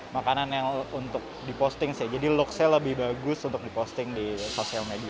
makanan yang untuk di posting sih jadi looks nya lebih bagus untuk di posting di sosial media